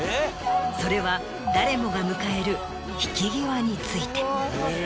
それは誰もが迎える引き際について。